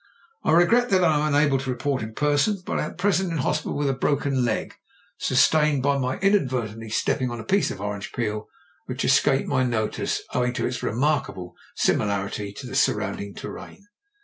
^'I regret that I am unable to report in person, but I am at present in hospital with a brdcen leg, sustained by my inadvertently stepping on a piece of orange peel, which escaped my notice o^ing to its remarkable simi larity to the surrounding terrain.